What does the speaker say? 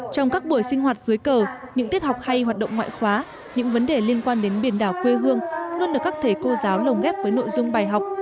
trong các buổi sinh hoạt dưới cờ những tiết học hay hoạt động ngoại khóa những vấn đề liên quan đến biển đảo quê hương luôn được các thầy cô giáo lồng ghép với nội dung bài học